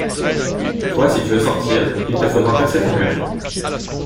Toi, si tu veux sortir, il te faudra percer ton mur.